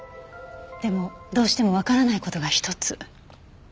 でもどうしてもわからない事が一つ。